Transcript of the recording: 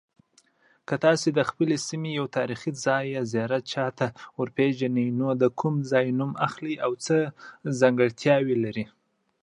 که تاسې د خپلې سیمې او تاریخي ځای او زیارت چا ته ورپیژنئ، د کوم ځای نوم اخلئ او څه ځانګړتیاوې لري؟